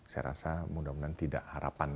saya rasa mudah mudahan tidak harapan